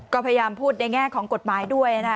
ก็พยายามพูดในแง่ของกฎหมายด้วยนะ